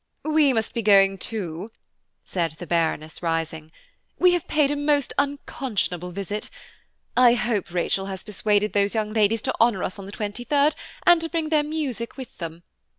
"We must be going too," said the Baroness, rising; "we have paid a most unconscionable visit. I hope Rachel has persuaded those young ladies to honour us on the 23rd, and to bring their music with them.